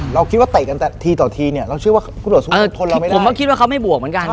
เราคิดว่าเตะกันแต่ทีต่อทีเนี่ยเราเชื่อว่าผมก็คิดว่าเขาไม่บวกเหมือนกัน